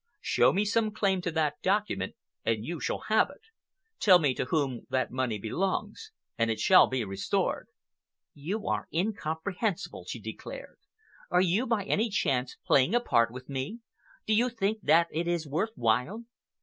Show me some claim to that document and you shall have it. Tell me to whom that money belongs, and it shall be restored." "You are incomprehensible," she declared. "Are you, by any chance, playing a part with me? Do you think that it is worth while?"